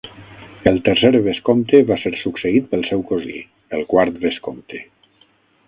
El tercer vescomte va ser succeït pel seu cosí, el quart vescomte.